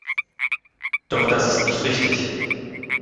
Doch das ist nicht richtig.